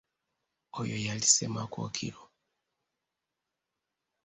Oyo yali Ssemakookiro.